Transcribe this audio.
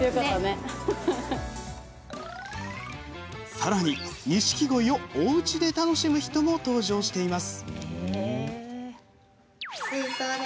さらに、ニシキゴイをおうちで楽しむ人も登場しています。